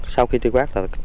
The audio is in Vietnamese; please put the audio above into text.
sau khi truy quét